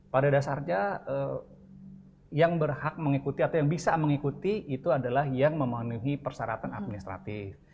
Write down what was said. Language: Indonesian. pada dasarnya yang berhak mengikuti atau yang bisa mengikuti itu adalah yang memenuhi persyaratan administratif